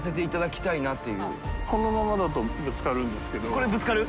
これぶつかる？